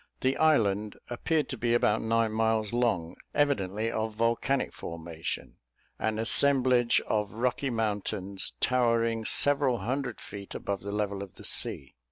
The island appeared to be about nine miles long, evidently of volcanic formation, an assemblage of rocky mountains towering several hundred feet above the level of the sea.